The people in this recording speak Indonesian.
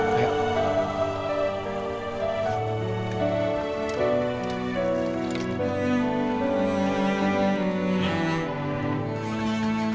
kalian semua disekolah